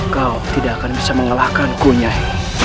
kau tidak akan bisa mengalahkanku nyai